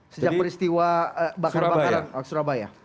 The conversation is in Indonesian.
sejak peristiwa bakar bakaran surabaya